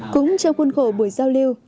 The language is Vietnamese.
cũng trong khuôn khổ buổi giao lưu